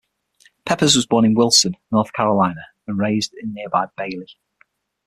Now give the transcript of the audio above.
Peppers was born in Wilson, North Carolina, and raised in nearby Bailey.